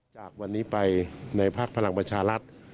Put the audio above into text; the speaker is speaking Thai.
จากวันนี้ไปในภักดิ์พลังประชารัฐ